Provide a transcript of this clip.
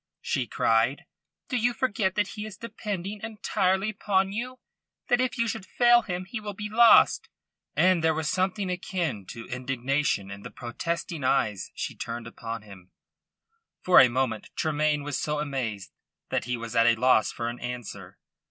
she cried. "Do you forget that he is depending entirely upon you that if you should fail him he will be lost?" And there was something akin to indignation in the protesting eyes she turned upon him. For a moment Tremayne was so amazed that he was at a loss for an answer.